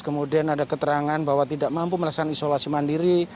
kemudian ada keterangan bahwa tidak mampu melaksanakan isolasi mandiri